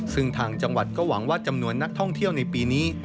ซึ่งทางจังหวัดก็หวังว่าจำนวนนักท่องเที่ยวในปีนี้